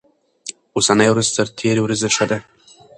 اوسنۍ ورځ تر تېرې ورځې ښه ده.